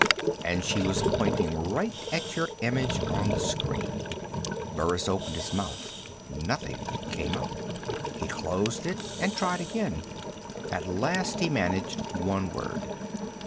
And she was pointing right at your image on the screen." Burris opened his mouth. Nothing came out. He closed it and tried again. At last he managed one word.